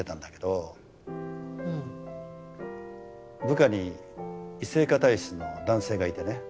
部下に異性化体質の男性がいてね。